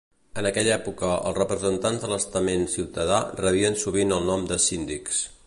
En aquella època els representants de l'estament ciutadà rebien sovint el nom de síndics.